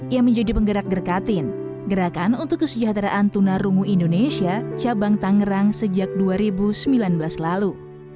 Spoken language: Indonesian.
ia menjadi penggerak gerkatin gerakan untuk kesejahteraan tunarungu indonesia cabang tangerang sejak dua ribu sembilan belas lalu